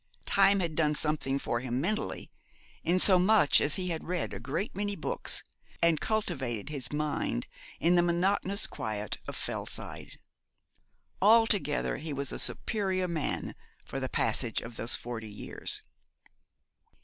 Time had done something for him mentally, insomuch as he had read a great many books and cultivated his mind in the monotonous quiet of Fellside. Altogether he was a superior man for the passage of those forty years.